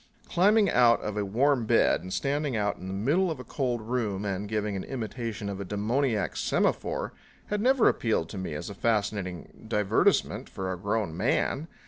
Climbing out of a warm bed and standing out in the middle of a cold room and giving an imitation of a demoniac semaphore had never appealed to me as a fascinating divertisement for a grown man.